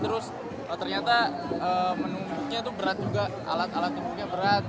terus ternyata menumbuknya itu berat juga alat alat tubuhnya berat